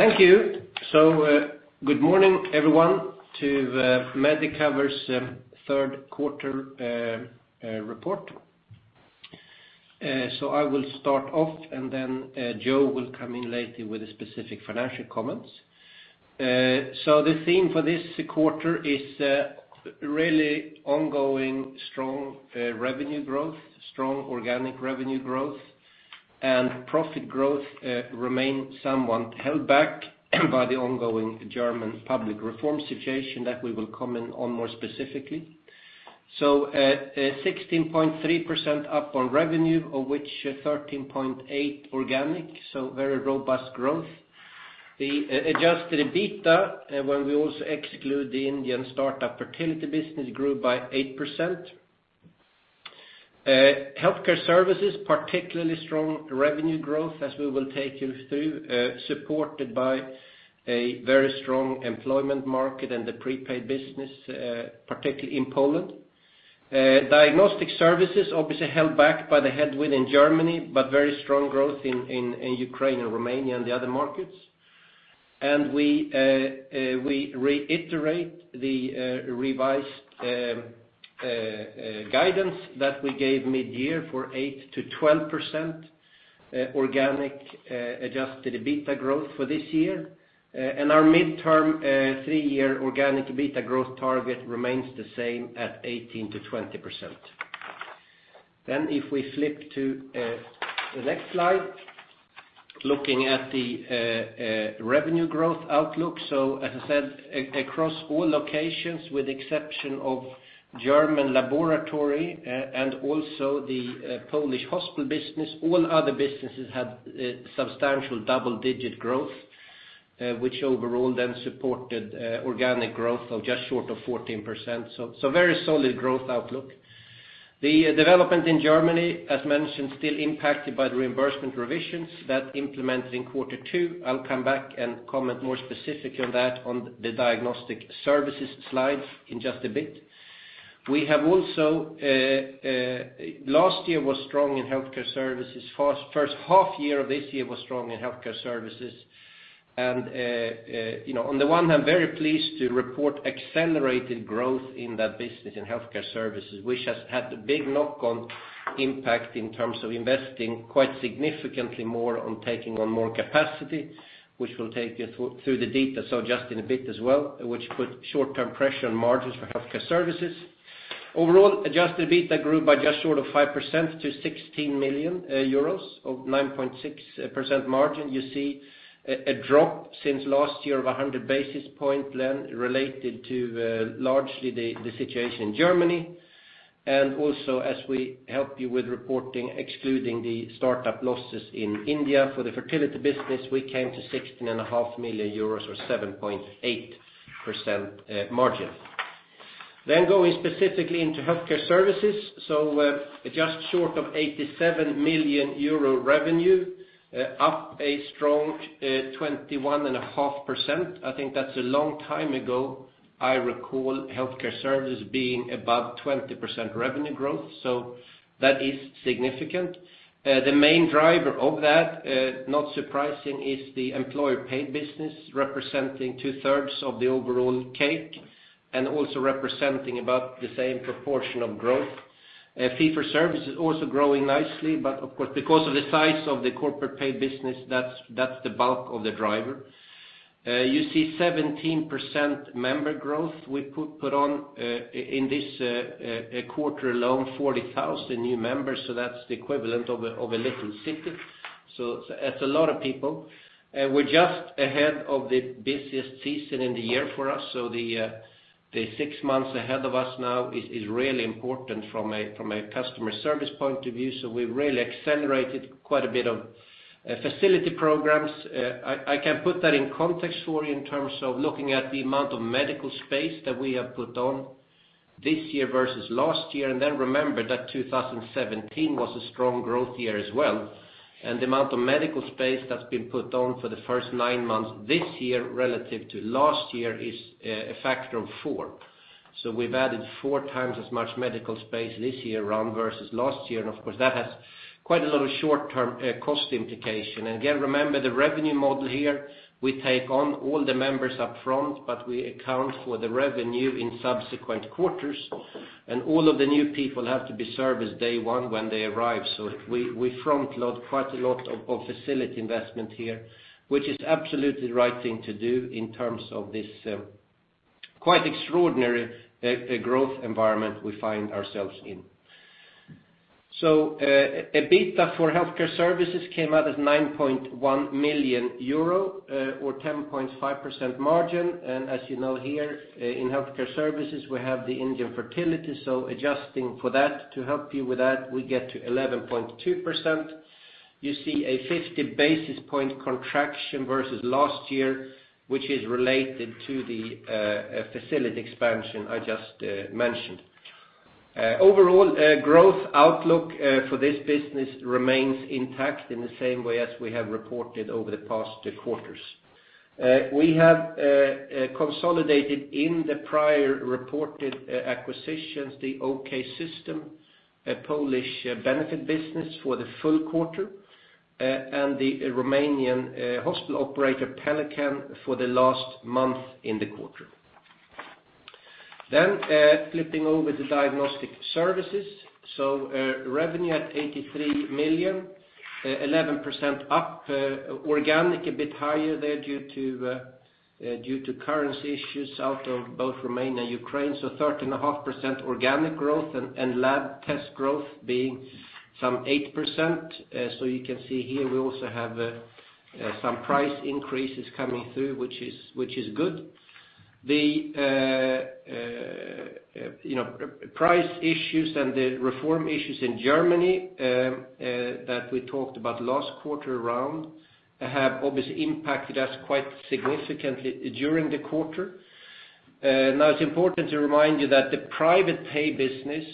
Thank you. Good morning, everyone, to Medicover's third quarter report. I will start off, and then Joe will come in later with the specific financial comments. The theme for this quarter is really ongoing strong revenue growth, strong organic revenue growth, and profit growth remains somewhat held back by the ongoing German public reform situation that we will comment on more specifically. 16.3% up on revenue, of which 13.8% organic, so very robust growth. The adjusted EBITDA, when we also exclude the Indian startup fertility business, grew by 8%. Healthcare Services, particularly strong revenue growth, as we will take you through, supported by a very strong employment market and the prepaid business, particularly in Poland. Diagnostic Services, obviously held back by the headwind in Germany, but very strong growth in Ukraine and Romania and the other markets. We reiterate the revised guidance that we gave mid-year for 8%-12% organic adjusted EBITDA growth for this year. Our midterm 3-year organic EBITDA growth target remains the same at 18%-20%. If we flip to the next slide, looking at the revenue growth outlook. As I said, across all locations, with the exception of German laboratory and also the Polish hospital business, all other businesses had substantial double-digit growth, which overall then supported organic growth of just short of 14%. Very solid growth outlook. The development in Germany, as mentioned, still impacted by the reimbursement revisions that implemented in Q2. I'll come back and comment more specific on that on the Diagnostic Services slides in just a bit. Last year was strong in Healthcare Services. First half year of this year was strong in Healthcare Services. On the one hand, very pleased to report accelerated growth in that business, in Healthcare Services, which has had a big knock-on impact in terms of investing quite significantly more on taking on more capacity, which we'll take you through the details of just in a bit as well, which put short-term pressure on margins for Healthcare Services. Overall, adjusted EBITDA grew by just short of 5% to 16 million euros, or 9.6% margin. You see a drop since last year of 100 basis points, then related to largely the situation in Germany. Also as we help you with reporting, excluding the startup losses in India for the fertility business, we came to 16.5 million euros or 7.8% margin. Going specifically into Healthcare Services. Just short of 87 million euro revenue, up a strong 21.5%. I think that's a long time ago, I recall Healthcare Services being above 20% revenue growth, so that is significant. The main driver of that, not surprising, is the employer-paid business representing two-thirds of the overall cake and also representing about the same proportion of growth. Fee for service is also growing nicely, but of course, because of the size of the corporate paid business, that's the bulk of the driver. You see 17% member growth. We put on, in this quarter alone, 40,000 new members, so that's the equivalent of a little city. That's a lot of people. We're just ahead of the busiest season in the year for us. The six months ahead of us now is really important from a customer service point of view. We've really accelerated quite a bit of facility programs. I can put that in context for you in terms of looking at the amount of medical space that we have put on this year versus last year. Remember that 2017 was a strong growth year as well. The amount of medical space that's been put on for the first nine months this year relative to last year is a factor of four. We've added four times as much medical space this year around versus last year, and of course, that has quite a lot of short-term cost implication. Again, remember the revenue model here, we take on all the members up front, but we account for the revenue in subsequent quarters, and all of the new people have to be serviced day one when they arrive. We front-load quite a lot of facility investment here, which is absolutely the right thing to do in terms of this quite extraordinary growth environment we find ourselves in. EBITDA for Healthcare Services came out as 9.1 million euro or 10.5% margin. As you know here in Healthcare Services, we have the Indian fertility. Adjusting for that, to help you with that, we get to 11.2%. You see a 50-basis point contraction versus last year, which is related to the facility expansion I just mentioned. Overall, growth outlook for this business remains intact in the same way as we have reported over the past quarters. We have consolidated in the prior reported acquisitions the OK Systems, a Polish benefit business for the full quarter, and the Romanian hospital operator, Pelican, for the last month in the quarter. Flipping over to Diagnostic Services. Revenue at 83 million, 11% up organic, a bit higher there due to currency issues out of both Romania and Ukraine. 13.5% organic growth and lab test growth being some 8%. You can see here we also have some price increases coming through, which is good. The price issues and the reform issues in Germany that we talked about last quarter around have obviously impacted us quite significantly during the quarter. It's important to remind you that the private pay business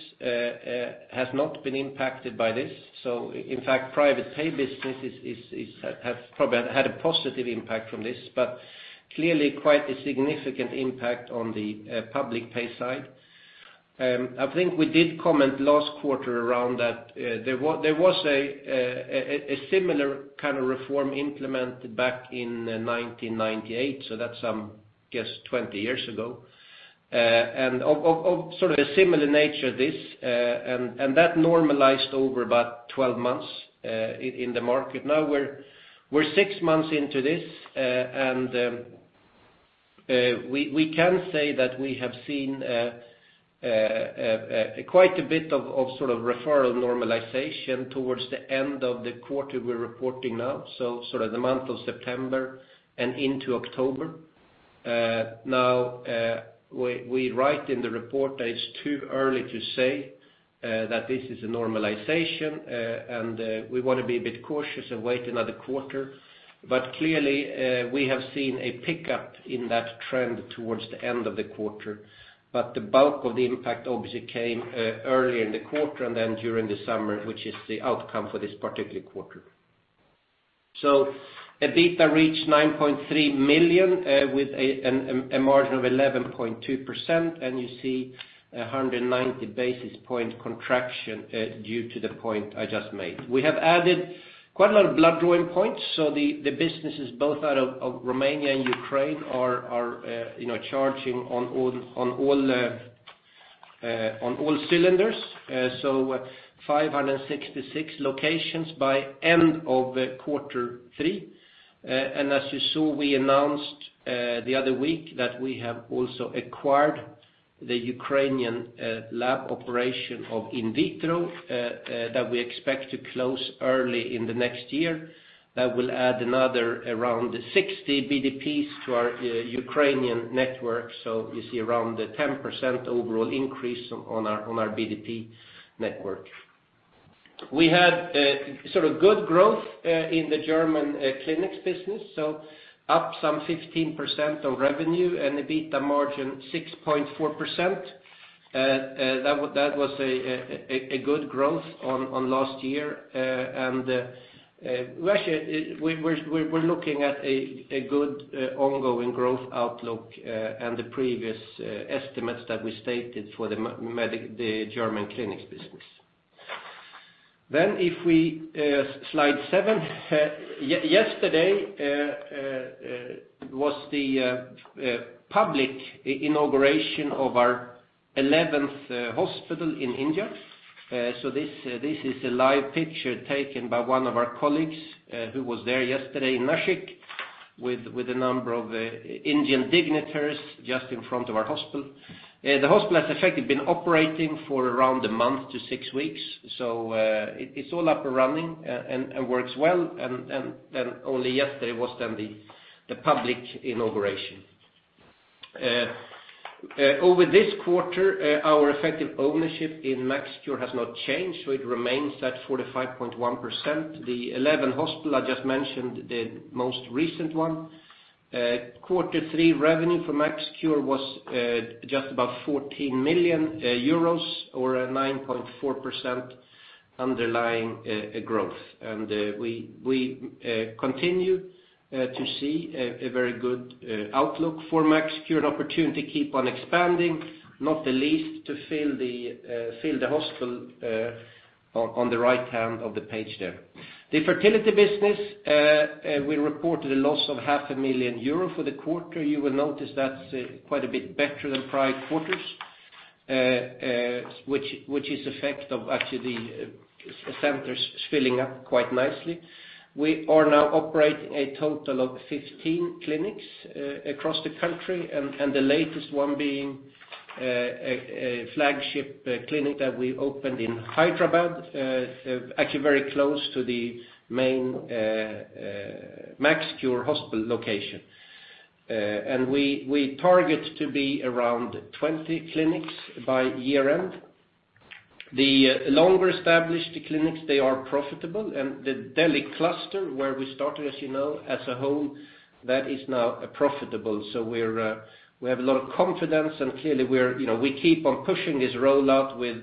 has not been impacted by this. In fact, private pay business has probably had a positive impact from this, but clearly quite a significant impact on the public pay side. I think we did comment last quarter around that there was a similar reform implemented back in 1998, so that's, I guess 20 years ago, and of a similar nature, this, and that normalized over about 12 months in the market. We're six months into this, and we can say that we have seen quite a bit of referral normalization towards the end of the quarter we're reporting now, so the month of September and into October. We write in the report that it's too early to say that this is a normalization, and we want to be a bit cautious and wait another quarter. But clearly, we have seen a pickup in that trend towards the end of the quarter, but the bulk of the impact obviously came early in the quarter and then during the summer, which is the outcome for this particular quarter. EBITDA reached 9.3 million with a margin of 11.2%, you see 190 basis point contraction due to the point I just made. We have added quite a lot of blood-drawing points, the businesses both out of Romania and Ukraine are charging on all cylinders. 566 locations by end of quarter three. As you saw, we announced the other week that we have also acquired the Ukrainian lab operation of In Vitro, that we expect to close early in the next year. That will add another around 60 BDPs to our Ukrainian network. You see around 10% overall increase on our BDP network. We had good growth in the German clinics business, up some 15% of revenue and EBITDA margin 6.4%. That was a good growth on last year and we're looking at a good ongoing growth outlook and the previous estimates that we stated for the German clinics business. If we, slide seven. Yesterday was the public inauguration of our 11th hospital in India. This is a live picture taken by one of our colleagues who was there yesterday in Nashik with a number of Indian dignitaries just in front of our hospital. The hospital has effectively been operating for around a month to six weeks. It's all up and running and works well and only yesterday was then the public inauguration. Over this quarter, our effective ownership in MaxCure has not changed, so it remains at 45.1%. The 11th hospital I just mentioned, the most recent one. Quarter three revenue for MaxCure was just about 14 million euros or a 9.4% underlying growth. We continue to see a very good outlook for MaxCure, an opportunity to keep on expanding, not the least to fill the hospital on the right hand of the page there. The fertility business, we reported a loss of half a million EUR for the quarter. You will notice that's quite a bit better than prior quarters, which is effect of actually the centers filling up quite nicely. We are now operating a total of 15 clinics across the country, and the latest one being a flagship clinic that we opened in Hyderabad, actually very close to the main MaxCure hospital location. We target to be around 20 clinics by year-end. The longer established clinics, they are profitable, and the Delhi cluster where we started, as you know, as a whole, that is now profitable. We have a lot of confidence and clearly we keep on pushing this rollout with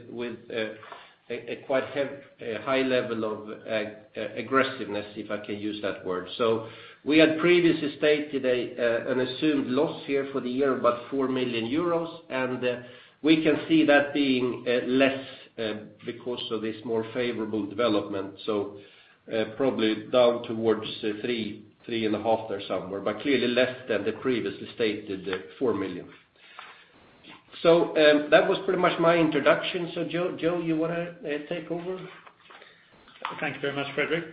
a quite high level of aggressiveness, if I can use that word. We had previously stated an assumed loss here for the year, about 4 million euros, and we can see that being less because of this more favorable development. Probably down towards three and a half there somewhere, but clearly less than the previously stated 4 million. That was pretty much my introduction. Joe, you want to take over? Thank you very much, Fredrik.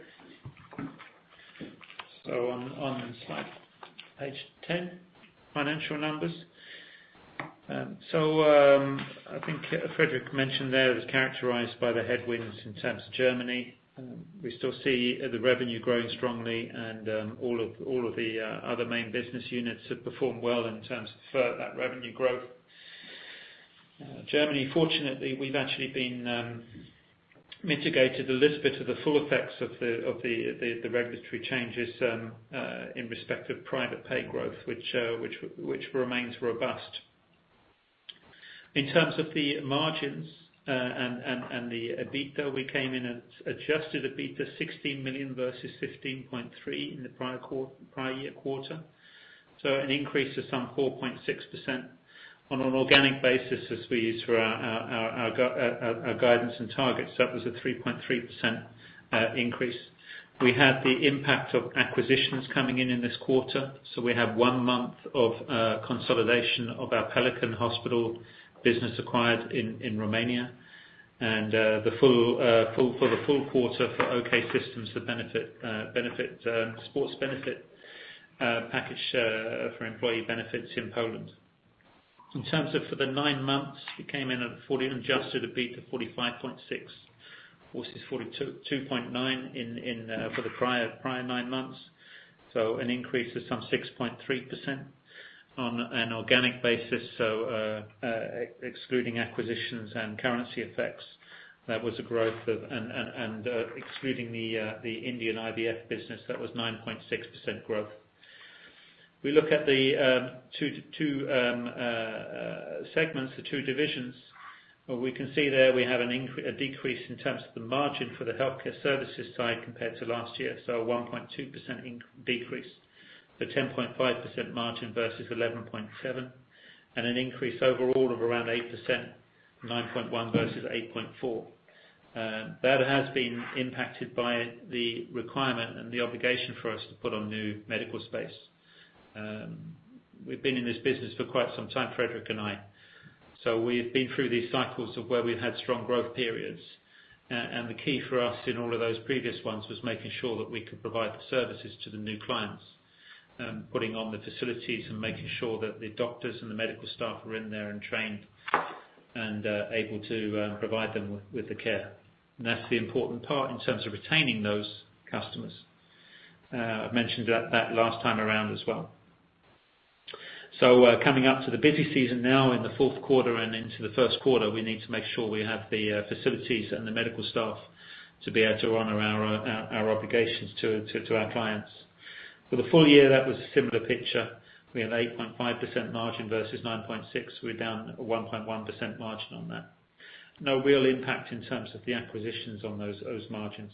On slide page 10, financial numbers. I think Fredrik mentioned there was characterized by the headwinds in terms of Germany. We still see the revenue growing strongly and all of the other main business units have performed well in terms of further that revenue growth. Germany, fortunately, we've actually been mitigated a little bit of the full effects of the regulatory changes in respect of private pay growth, which remains robust. In terms of the margins and the EBITDA, we came in at adjusted EBITDA 16 million versus 15.3 million in the prior year quarter. An increase of some 4.6% on an organic basis as we use for our guidance and targets. That was a 3.3% increase. We had the impact of acquisitions coming in in this quarter. We have one month of consolidation of our Pelican Hospital business acquired in Romania. For the full quarter for OK Systems, the sports benefit package for employee benefits in Poland. In terms of for the nine months, we came in at an adjusted EBITDA 45.6 million versus 42.9 million for the prior nine months. An increase of some 6.3% on an organic basis. Excluding acquisitions and currency effects, and excluding the Indian IVF business, that was 9.6% growth. We look at the two segments, the two divisions, we can see there we have a decrease in terms of the margin for the Healthcare Services side compared to last year. A 1.2% decrease. The 10.5% margin versus 11.7%, and an increase overall of around 8%, 9.1% versus 8.4%. That has been impacted by the requirement and the obligation for us to put on new medical space. We've been in this business for quite some time, Fredrik and I. We've been through these cycles of where we've had strong growth periods. The key for us in all of those previous ones was making sure that we could provide the services to the new clients. Putting on the facilities and making sure that the doctors and the medical staff are in there and trained, and able to provide them with the care. That's the important part in terms of retaining those customers. I've mentioned that last time around as well. Coming up to the busy season now in the fourth quarter and into the first quarter, we need to make sure we have the facilities and the medical staff to be able to honor our obligations to our clients. For the full year, that was a similar picture. We had 8.5% margin versus 9.6%. We're down a 1.1% margin on that. No real impact in terms of the acquisitions on those margins.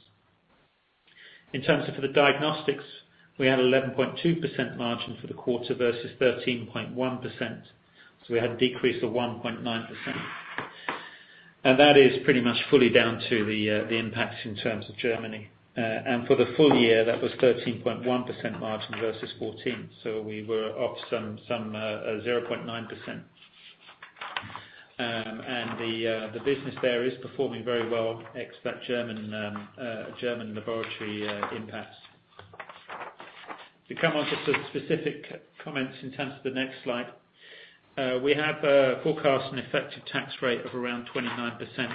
In terms of the Diagnostic Services, we had 11.2% margin for the quarter versus 13.1%. We had a decrease of 1.9%. That is pretty much fully down to the impact in terms of Germany. For the full year, that was 13.1% margin versus 14%. We were off some 0.9%. The business there is performing very well ex that German laboratory impact. We come on to some specific comments in terms of the next slide. We have forecast an effective tax rate of around 29%.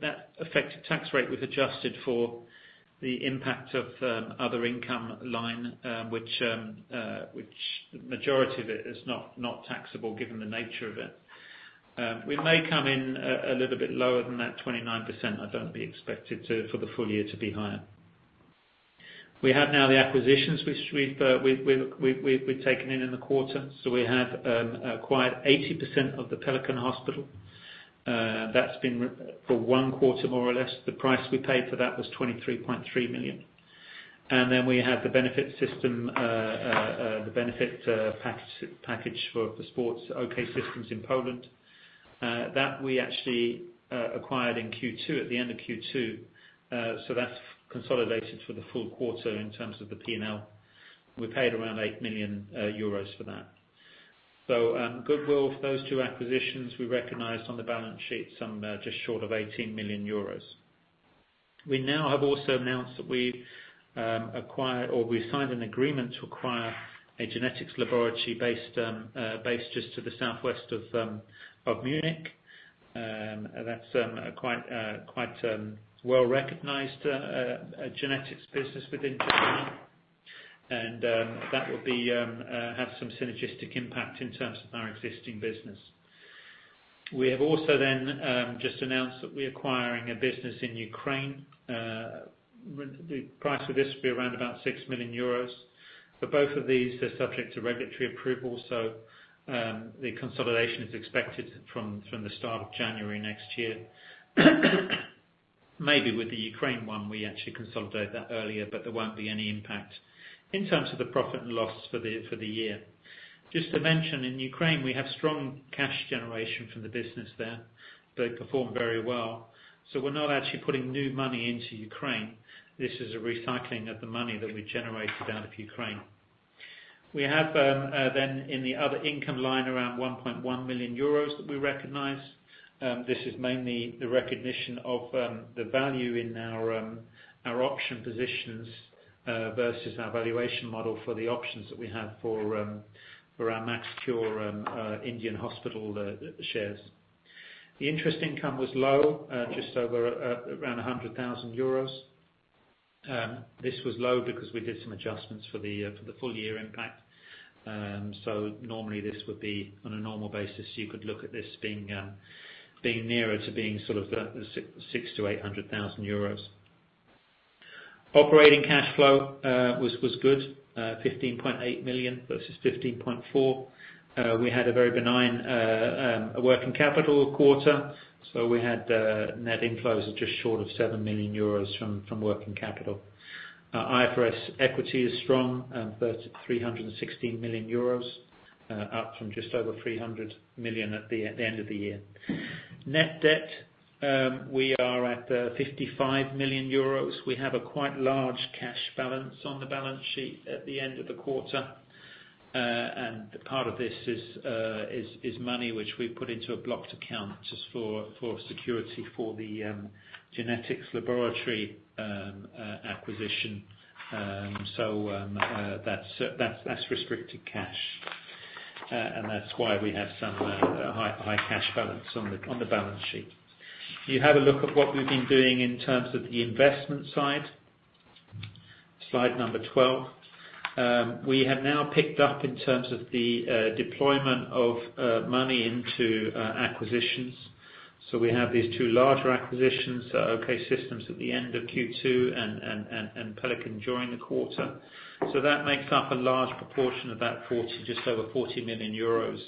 That effective tax rate was adjusted for the impact of other income line which the majority of it is not taxable, given the nature of it. We may come in a little bit lower than that 29%. I don't expect it for the full year to be higher. We have now the acquisitions which we've taken in in the quarter. We have acquired 80% of the Pelican Hospital. That's been for one quarter, more or less. The price we paid for that was 23.3 million. We had the benefit package for the sports OK Systems in Poland. That we actually acquired in Q2, at the end of Q2. That's consolidated for the full quarter in terms of the P&L. We paid around 8 million euros for that. Goodwill for those two acquisitions we recognized on the balance sheet, some just short of 18 million euros. We now have also announced that we acquired or we signed an agreement to acquire a genetics laboratory based just to the southwest of Munich. That's quite well recognized genetics business within Germany. That will have some synergistic impact in terms of our existing business. We have also just announced that we're acquiring a business in Ukraine. The price for this will be around about 6 million euros. Both of these are subject to regulatory approval, the consolidation is expected from the start of January next year. Maybe with the Ukraine one, we actually consolidate that earlier, there won't be any impact in terms of the profit and loss for the year. Just to mention, in Ukraine, we have strong cash generation from the business there. They perform very well. We're not actually putting new money into Ukraine. This is a recycling of the money that we generated out of Ukraine. We have in the other income line around 1.1 million euros that we recognize. This is mainly the recognition of the value in our option positions versus our valuation model for the options that we have for our MaxCure Indian hospital shares. The interest income was low, just over around 100,000 euros. This was low because we did some adjustments for the full year impact. Normally this would be, on a normal basis, you could look at this being nearer to being sort of the 600,000-800,000 euros. Operating cash flow was good. 15.8 million versus 15.4 million. We had a very benign working capital quarter. We had net inflows of just short of 7 million euros from working capital. IFRS equity is strong, 316 million euros, up from just over 300 million at the end of the year. Net debt, we are at 55 million euros. We have a quite large cash balance on the balance sheet at the end of the quarter. Part of this is money which we put into a blocked account just for security for the genetics laboratory acquisition. That's restricted cash, that's why we have some high cash balance on the balance sheet. If you have a look at what we've been doing in terms of the investment side. Slide number 12. We have now picked up in terms of the deployment of money into acquisitions. We have these two larger acquisitions, OK Systems at the end of Q2 and Pelican during the quarter. That makes up a large proportion of just over 40 million euros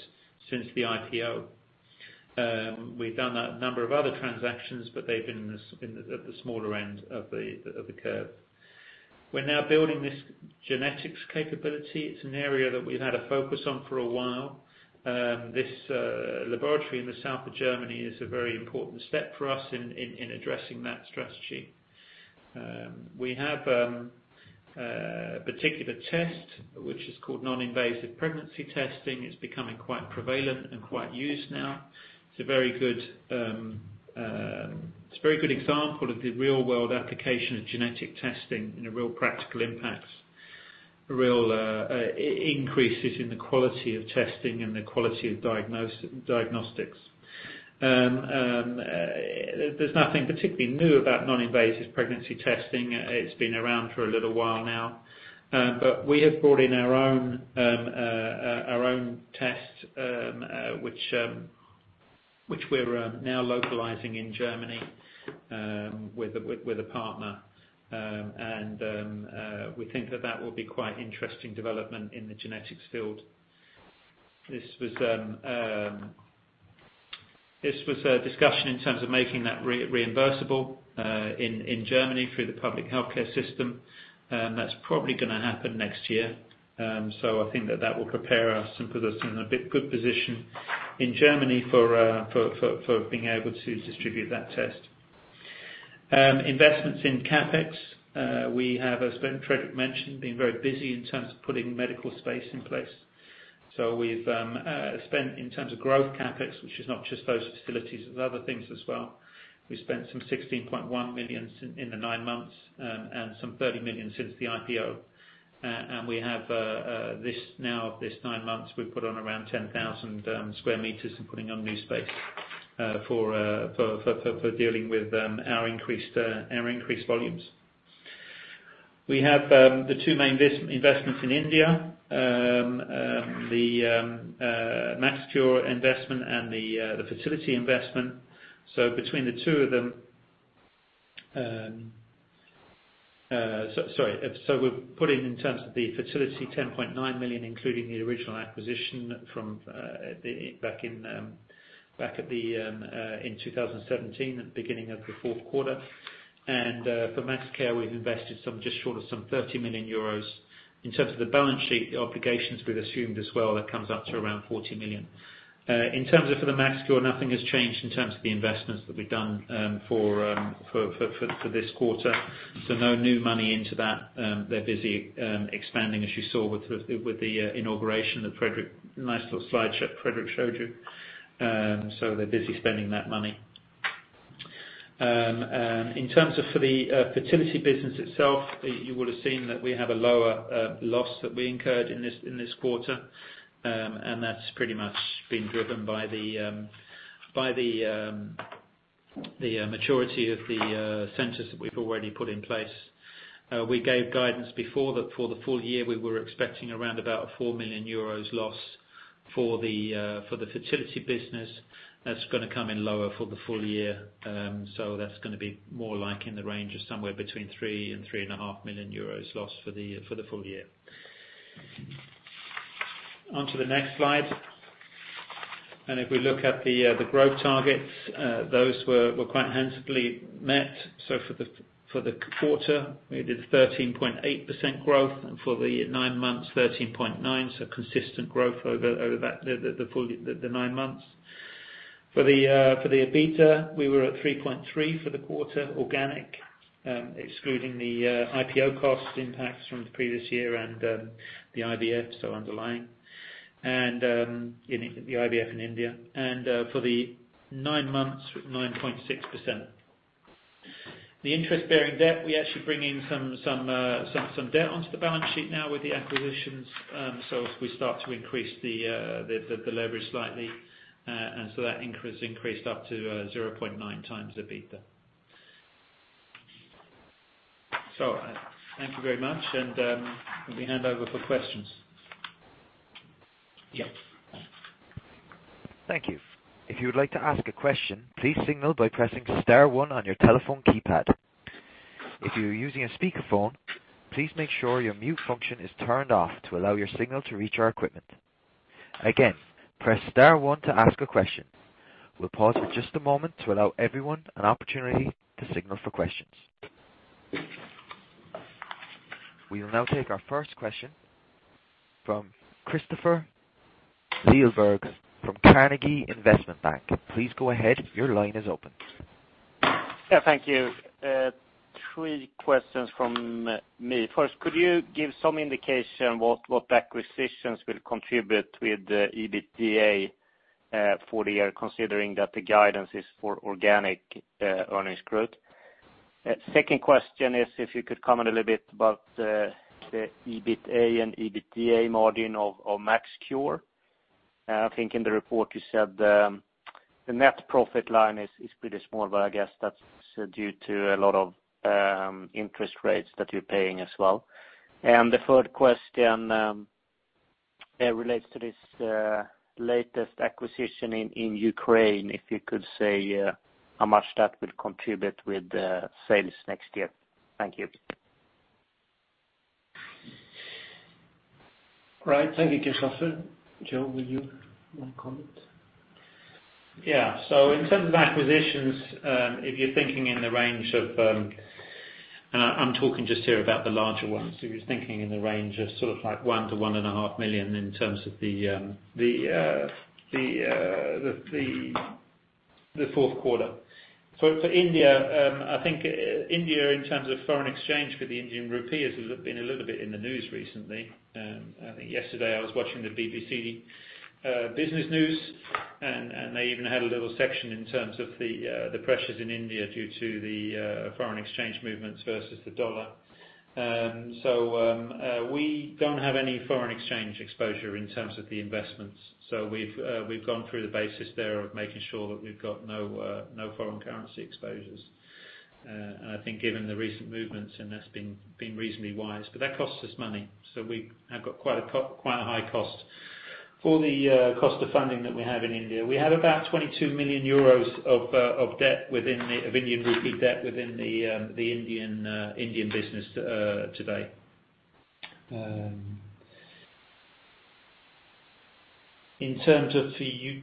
since the IPO. We've done a number of other transactions, they've been at the smaller end of the curve. We're now building this genetics capability. It's an area that we've had a focus on for a while. This laboratory in the south of Germany is a very important step for us in addressing that strategy. We have a particular test, which is called non-invasive prenatal testing. It's becoming quite prevalent and quite used now. It's a very good example of the real-world application of genetic testing and the real practical impacts, real increases in the quality of testing and the quality of diagnostics. There's nothing particularly new about non-invasive prenatal testing. It's been around for a little while now. We have brought in our own test, which we're now localizing in Germany with a partner. We think that that will be quite interesting development in the genetics field. This was a discussion in terms of making that reimbursable in Germany through the public healthcare system, that's probably going to happen next year. I think that that will prepare us and put us in a good position in Germany for being able to distribute that test. Investments in CapEx. We have, as Fredrik mentioned, been very busy in terms of putting medical space in place. We've spent, in terms of growth CapEx, which is not just those facilities, there's other things as well. We spent some 16.1 million in the 9 months and some 30 million since the IPO. We have this now, this 9 months, we've put on around 10,000 sq m in putting on new space for dealing with our increased volumes. We have the two main investments in India, the MaxCure investment and the fertility investment. Sorry. We've put in terms of the fertility, 10.9 million, including the original acquisition back in 2017 at the beginning of the fourth quarter. For MaxCure, we've invested some just short of some 30 million euros. In terms of the balance sheet, the obligations we've assumed as well, that comes up to around 40 million. In terms of for the MaxCure, nothing has changed in terms of the investments that we've done for this quarter. No new money into that. They're busy expanding, as you saw with the inauguration that Fredrik, nice little slideshow Fredrik showed you. They're busy spending that money. In terms of for the fertility business itself, you will have seen that we have a lower loss that we incurred in this quarter, and that's pretty much been driven by the maturity of the centers that we've already put in place. We gave guidance before that for the full year, we were expecting around about a 4 million euros loss for the fertility business. That's going to come in lower for the full year. That's going to be more like in the range of somewhere between 3 million euros and EUR 3.5 million lost for the full year. On to the next slide. If we look at the growth targets, those were quite handsomely met. For the quarter, we did 13.8% growth, for the 9 months, 13.9%. Consistent growth over the 9 months. For the EBITDA, we were at 3.3% for the quarter organic, excluding the IPO cost impacts from the previous year and the IVF, so underlying. The IVF in India. For the 9 months, 9.6%. The interest-bearing debt, we actually bring in some debt onto the balance sheet now with the acquisitions. As we start to increase the leverage slightly, that increased up to 0.9 times the EBITDA. Thank you very much, and let me hand over for questions. Yeah. Thank you. If you would like to ask a question, please signal by pressing star one on your telephone keypad. If you are using a speakerphone, please make sure your mute function is turned off to allow your signal to reach our equipment. Again, press star one to ask a question. We will pause for just a moment to allow everyone an opportunity to signal for questions. We will now take our first question from Kristofer Liljeberg from Carnegie Investment Bank. Please go ahead. Your line is open. Yeah, thank you. Three questions from me. First, could you give some indication what acquisitions will contribute with the EBITDA for the year, considering that the guidance is for organic earnings growth? Second question is if you could comment a little bit about the EBITA and EBITDA margin of MaxCure. I think in the report you said the net profit line is pretty small, but I guess that's due to a lot of interest rates that you're paying as well. The third question relates to this latest acquisition in Ukraine. If you could say how much that will contribute with the sales next year. Thank you. Right. Thank you, Kristofer. Joe, will you want to comment? Yeah. In terms of acquisitions, if you're thinking in the range of-- I'm talking just here about the larger ones. If you're thinking in the range of one to one and a half million in terms of the fourth quarter. For India, I think India in terms of foreign exchange for the Indian rupees has been a little bit in the news recently. I think yesterday I was watching the BBC Business News, and they even had a little section in terms of the pressures in India due to the foreign exchange movements versus the USD. We don't have any foreign exchange exposure in terms of the investments. We've gone through the basis there of making sure that we've got no foreign currency exposures. I think given the recent movements, that's been reasonably wise, but that costs us money. We have got quite a high cost. For the cost of funding that we have in India, we have about 22 million euros of Indian rupee debt within the Indian business today. Could you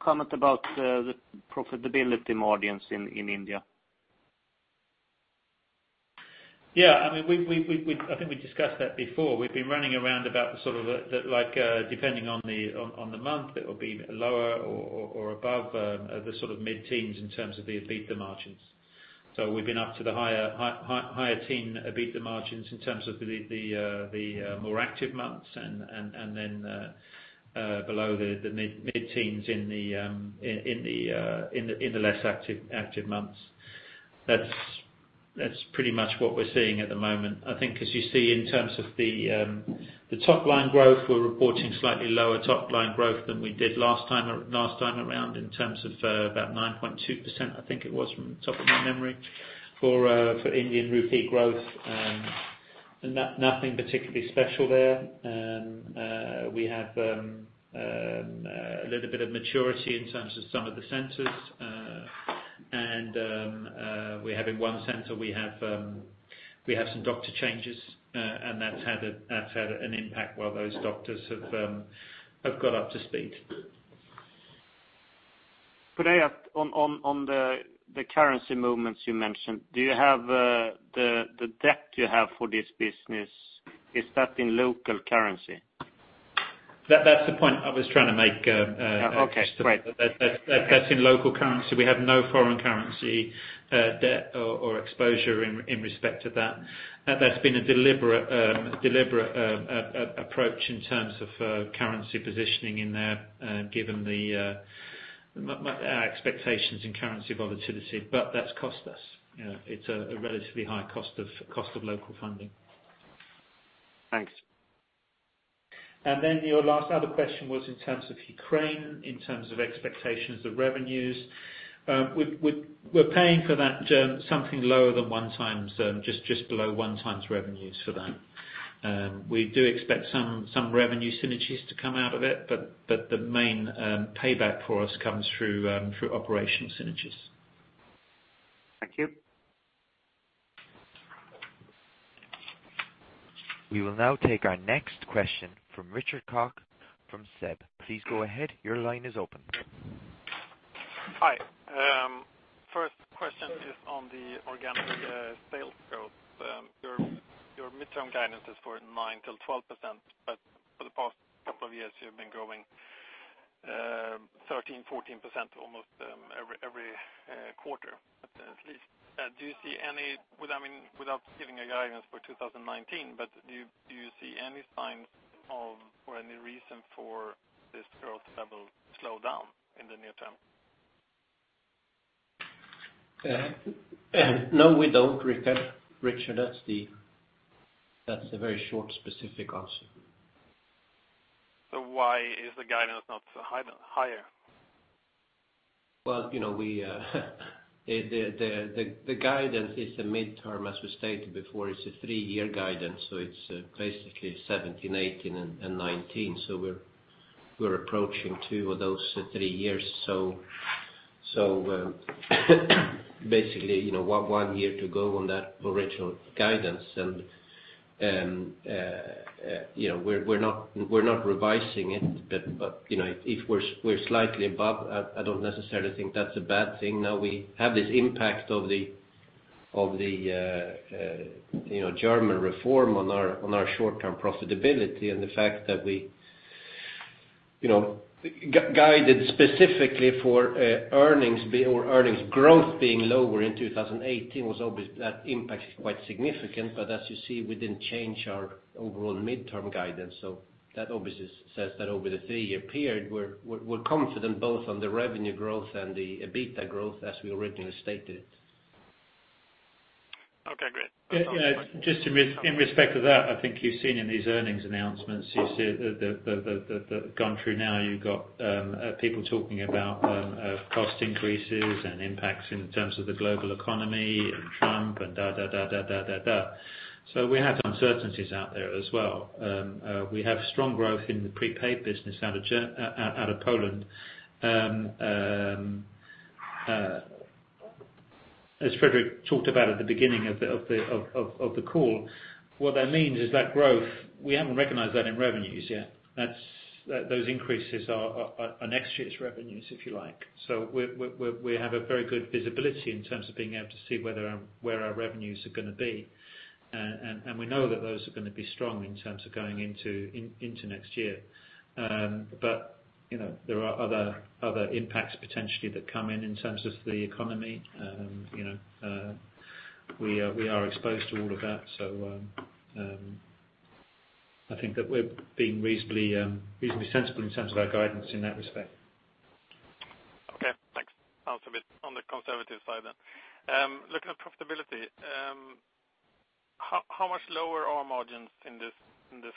comment about the profitability margins in India? Yeah. I think we discussed that before. We've been running around about the sort of like depending on the month, it will be lower or above the mid-teens in terms of the EBITDA margins. We've been up to the higher teen EBITDA margins in terms of the more active months and then below the mid-teens in the less active months. That's pretty much what we're seeing at the moment. I think as you see in terms of the top line growth, we're reporting slightly lower top line growth than we did last time around in terms of about 9.2%, I think it was from the top of my memory, for Indian rupee growth. Nothing particularly special there. We have a little bit of maturity in terms of some of the centers. We're having one center, we have some doctor changes, and that's had an impact while those doctors have got up to speed. Could I add on the currency movements you mentioned, the debt you have for this business, is that in local currency? That's the point I was trying to make. Okay, great. That's in local currency. We have no foreign currency debt or exposure in respect to that. That's been a deliberate approach in terms of currency positioning in there, given our expectations in currency volatility. That's cost us. It's a relatively high cost of local funding. Thanks. Your last other question was in terms of Ukraine, in terms of expectations of revenues. We're paying for that something lower than 1x, just below 1x revenues for that. We do expect some revenue synergies to come out of it, but the main payback for us comes through operational synergies. Thank you. We will now take our next question from Richard Kok from SEB. Please go ahead. Your line is open. Hi. First question is on the organic sales. Your midterm guidance is for 9%-12%, for the past couple of years, you've been growing 13%, 14% almost every quarter. At least. Without giving a guidance for 2019, do you see any signs of or any reason for this growth level to slow down in the near term? No, we don't, Richard. That's the very short specific answer. Why is the guidance not higher? Well, the guidance is a midterm, as we stated before. It's a three-year guidance, so it's basically 2017, 2018, and 2019. We're approaching two of those three years. Basically, one year to go on that original guidance. We're not revising it. If we're slightly above, I don't necessarily think that's a bad thing. Now, we have this impact of the German reform on our short-term profitability. The fact that we guided specifically for earnings growth being lower in 2018. Obviously, that impact is quite significant. As you see, we didn't change our overall midterm guidance. That obviously says that over the three-year period, we're confident both on the revenue growth and the EBITDA growth as we originally stated it. Okay, great. Just in respect of that, I think you've seen in these earnings announcements, you see that gone through now, you've got people talking about cost increases and impacts in terms of the global economy and Trump, and da da da. We have uncertainties out there as well. We have strong growth in the prepaid business out of Poland, as Fredrik talked about at the beginning of the call. What that means is that growth, we haven't recognized that in revenues yet. Those increases are next year's revenues, if you like. We have a very good visibility in terms of being able to see where our revenues are going to be. We know that those are going to be strong in terms of going into next year. There are other impacts potentially that come in terms of the economy. We are exposed to all of that. I think that we're being reasonably sensible in terms of our guidance in that respect. Okay, thanks. Sounds a bit on the conservative side then. Looking at profitability, how much lower are margins in this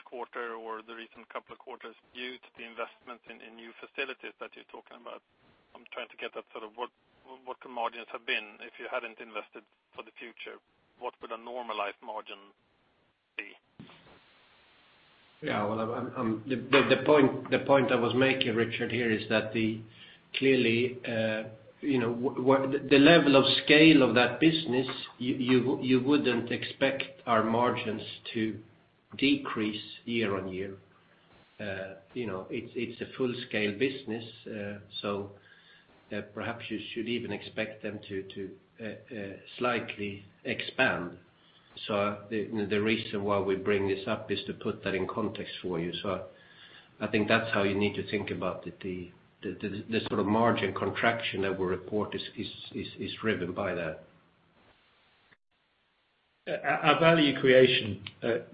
quarter or the recent couple of quarters due to the investments in new facilities that you're talking about? I'm trying to get at, what could margins have been if you hadn't invested for the future? What would a normalized margin be? Yeah. The point I was making, Richard, here is that clearly, the level of scale of that business, you wouldn't expect our margins to decrease year-on-year. It's a full-scale business, so perhaps you should even expect them to slightly expand. The reason why we bring this up is to put that in context for you. I think that's how you need to think about it. The sort of margin contraction that we report is driven by that. Our value creation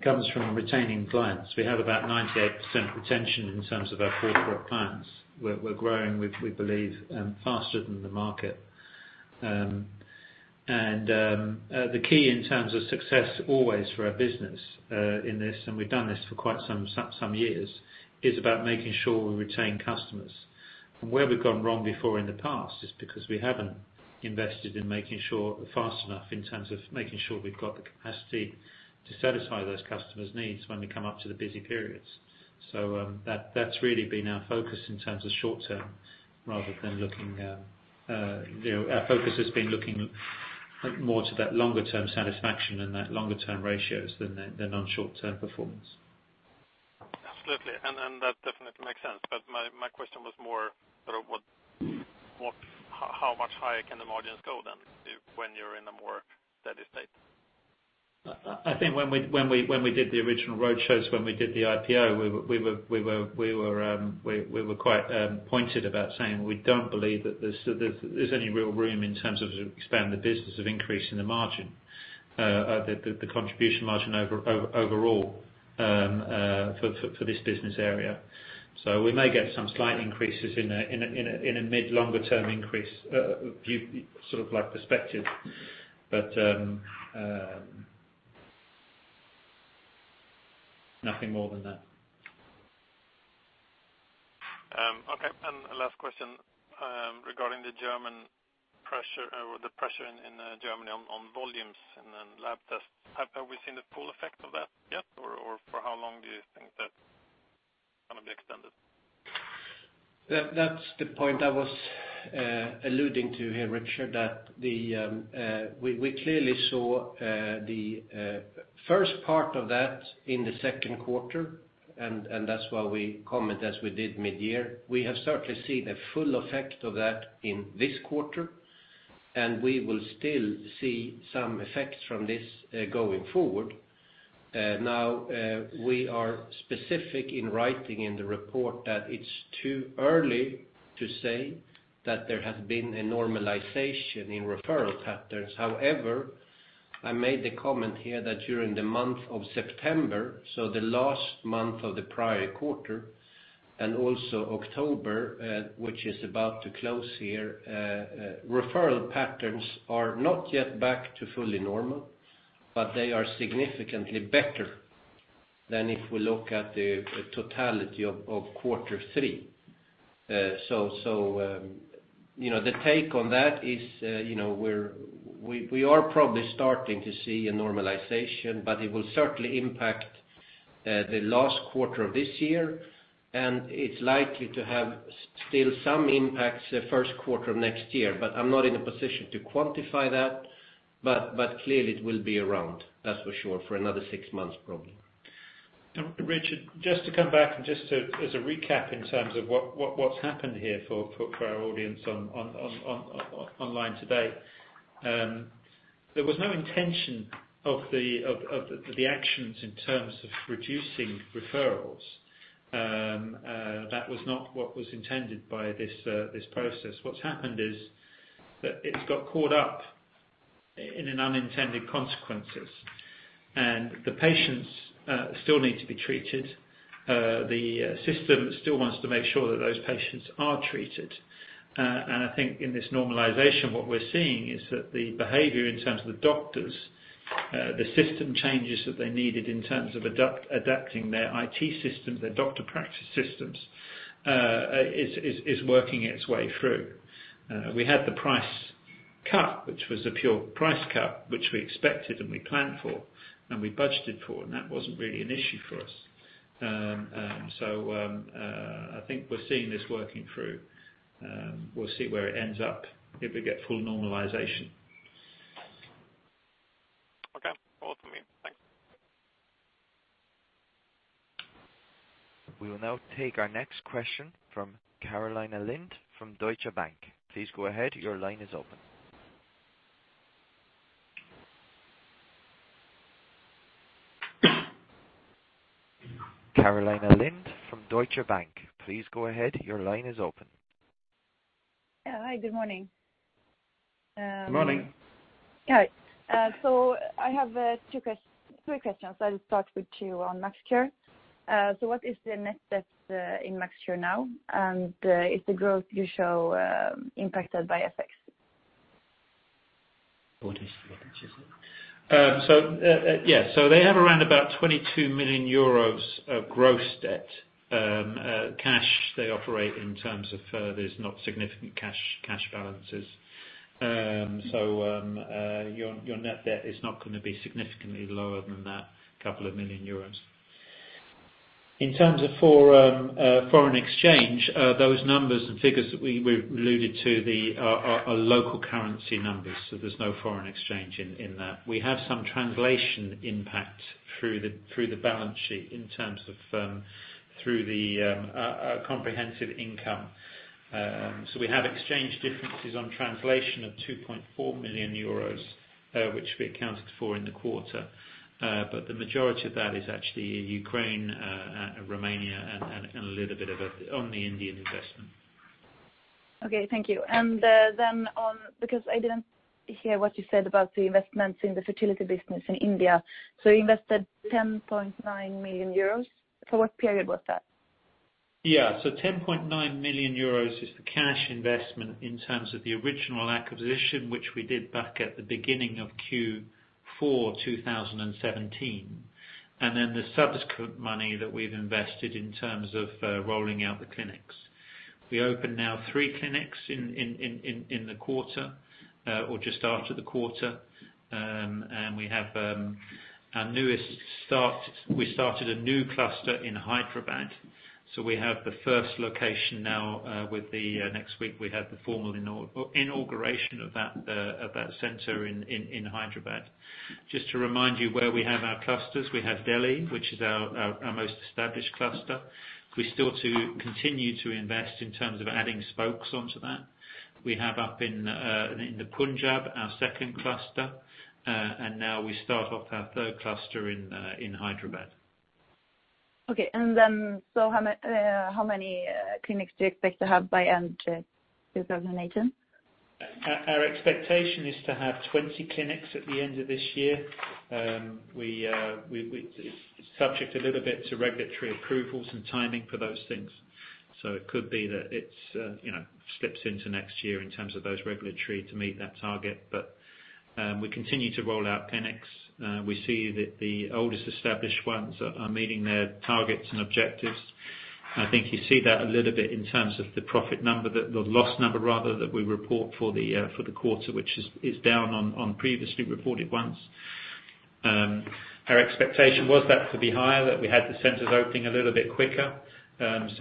comes from retaining clients. We have about 98% retention in terms of our corporate clients. We're growing, we believe, faster than the market. The key in terms of success always for our business in this, and we've done this for quite some years, is about making sure we retain customers. Where we've gone wrong before in the past is because we haven't invested in making sure fast enough in terms of making sure we've got the capacity to satisfy those customers' needs when we come up to the busy periods. That's really been our focus in terms of short term rather than looking Our focus has been looking more to that longer-term satisfaction and that longer-term ratios than on short-term performance. Absolutely. That definitely makes sense. My question was more, how much higher can the margins go then when you're in a more steady state? I think when we did the original road shows, when we did the IPO, we were quite pointed about saying we don't believe that there's any real room in terms of expanding the business of increasing the margin, the contribution margin overall for this business area. We may get some slight increases in a mid longer-term increase sort of perspective. Nothing more than that. Okay. Last question regarding the pressure in Germany on volumes and then lab tests, have we seen the full effect of that yet? For how long do you think that's going to be extended? That's the point I was alluding to here, Richard. That we clearly saw the first part of that in the second quarter, and that's why we comment as we did mid-year. We have certainly seen a full effect of that in this quarter. We will still see some effects from this going forward. Now, we are specific in writing in the report that it's too early to say that there has been a normalization in referral patterns. I made the comment here that during the month of September, so the last month of the prior quarter, and also October, which is about to close here, referral patterns are not yet back to fully normal, but they are significantly better than if we look at the totality of Quarter 3. The take on that is we are probably starting to see a normalization, it will certainly impact the last quarter of this year, and it's likely to have still some impacts the first quarter of next year. I'm not in a position to quantify that, clearly it will be around, that's for sure, for another six months probably. Richard, just to come back and just as a recap in terms of what's happened here for our audience online today. There was no intention of the actions in terms of reducing referrals. That was not what was intended by this process. What's happened is that it's got caught up in an unintended consequences, the patients still need to be treated. The system still wants to make sure that those patients are treated. I think in this normalization, what we're seeing is that the behavior in terms of the doctors, the system changes that they needed in terms of adapting their IT system, their doctor practice systems, is working its way through. We had the price cut, which was a pure price cut, which we expected, and we planned for, and we budgeted for, and that wasn't really an issue for us. I think we're seeing this working through. We'll see where it ends up if we get full normalization. Okay. All for me. Thanks. We will now take our next question from Karolina Lind from Deutsche Bank. Please go ahead. Your line is open. Yeah. Hi, good morning. Good morning. Hi. I have three questions. I will start with you on MaxCure. What is the net debt in MaxCure now, and is the growth you show impacted by effects? Yeah. They have around about 22 million euros of gross debt. Cash, they operate in terms of, there's not significant cash balances. Your net debt is not going to be significantly lower than that couple of million EUR. In terms of foreign exchange, those numbers and figures that we've alluded to are local currency numbers, so there's no foreign exchange in that. We have some translation impact through the balance sheet in terms of through the comprehensive income. We have exchange differences on translation of 2.4 million euros, which we accounted for in the quarter. The majority of that is actually Ukraine, Romania, and a little bit of it on the Indian investment. Okay, thank you. On, because I didn't hear what you said about the investments in the fertility business in India. You invested 10.9 million euros. For what period was that? Yeah. 10.9 million euros is the cash investment in terms of the original acquisition, which we did back at the beginning of Q4 2017. The subsequent money that we've invested in terms of rolling out the clinics. We opened now three clinics in the quarter, or just after the quarter. We started a new cluster in Hyderabad, we have the first location now with the next week, we have the formal inauguration of that center in Hyderabad. Just to remind you where we have our clusters. We have Delhi, which is our most established cluster. We're still to continue to invest in terms of adding spokes onto that. We have up in the Punjab, our second cluster. Now we start off our third cluster in Hyderabad. Okay. How many clinics do you expect to have by the end of 2018? Our expectation is to have 20 clinics at the end of this year. Subject a little bit to regulatory approvals and timing for those things. It could be that it slips into next year in terms of those regulatory to meet that target. We continue to roll out clinics. We see that the oldest established ones are meeting their targets and objectives. I think you see that a little bit in terms of the profit number, the loss number rather, that we report for the quarter, which is down on previously reported ones. Our expectation was that to be higher, that we had the centers opening a little bit quicker. That's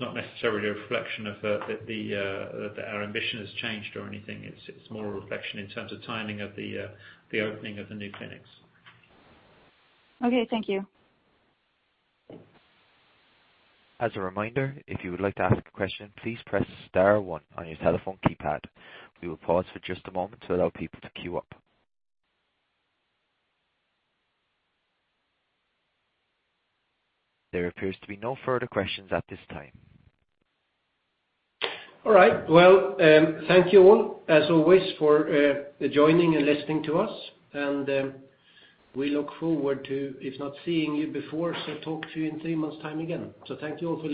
not necessarily a reflection of our ambition has changed or anything. It's more a reflection in terms of timing of the opening of the new clinics. Okay, thank you. As a reminder, if you would like to ask a question, please press *1 on your telephone keypad. We will pause for just a moment to allow people to queue up. There appears to be no further questions at this time. All right. Well, thank you all as always for joining and listening to us. We look forward to, if not seeing you before, to talk to you in 3 months' time again. Thank you all for listening.